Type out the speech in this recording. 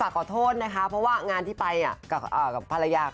ขอโทษนะคะเพราะว่างานที่ไปกับภรรยา